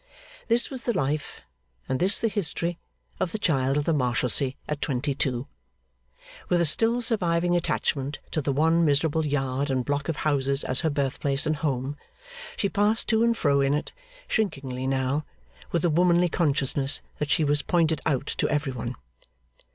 This was the life, and this the history, of the child of the Marshalsea at twenty two. With a still surviving attachment to the one miserable yard and block of houses as her birthplace and home, she passed to and fro in it shrinkingly now, with a womanly consciousness that she was pointed out to every one.